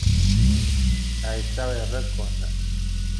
Ɛisa ira-ken.